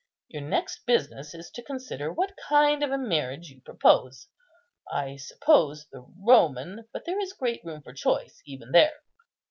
Your next business is to consider what kind of a marriage you propose. I suppose the Roman, but there is great room for choice even there."